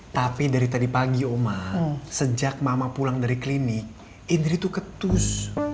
tapi dari tadi pagi oma sejak mama pulang dari klinik indri itu ketus